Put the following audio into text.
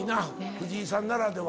藤井さんならでは。